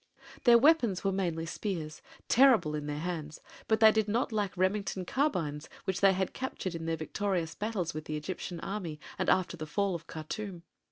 Their weapons were mainly spears, terrible in their hands; but they did not lack Remington carbines which they had captured in their victorious battles with the Egyptian army and after the fall of Khartûm.